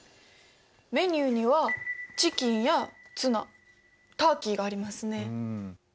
メニューにはチキンやツナターキーがありますね。